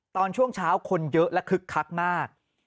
ตอนช่วงเช้าคนเยอะและคึกคักมาก